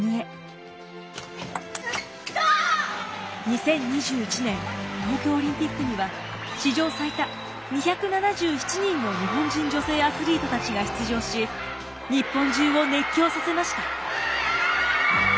２０２１年東京オリンピックには史上最多２７７人の日本人女性アスリートたちが出場し日本中を熱狂させました。